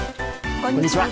こんにちは。